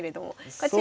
こちら。